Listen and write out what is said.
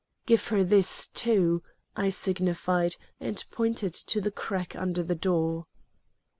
"Give her this, too," I signified, and pointed to the crack under the door.